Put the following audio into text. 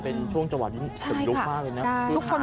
เป็นช่วงจังหวัดจนยุค๕เลยนะ